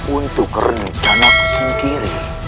untuk rencanaku sendiri